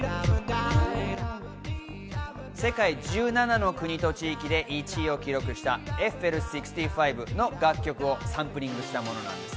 実はこの曲、世界１７の国と地域で１位を記録したエッフェル６５の楽曲をサンプリングしたものです。